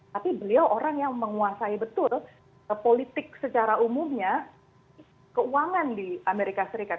tapi beliau orang yang menguasai betul politik secara umumnya keuangan di amerika serikat